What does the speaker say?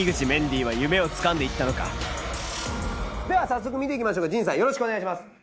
では早速見ていきましょうか陣さんよろしくお願いします。